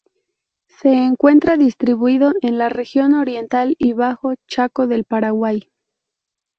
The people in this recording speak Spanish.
Se encuentra distribuido en la Región Oriental y bajo Chaco del Paraguay.